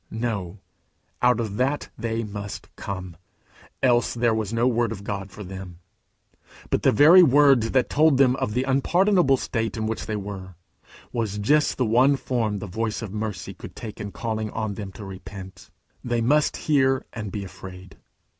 No. Out of that they must come, else there was no word of God for them. But the very word that told them of the unpardonable state in which they were, was just the one form the voice of mercy could take in calling on them to repent. They must hear and be afraid.